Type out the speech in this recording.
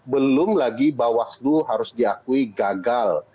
belum lagi bawaslu harus diakui gagal